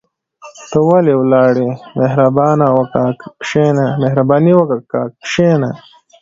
ته ولي ولاړ يى مهرباني وکاه کشينه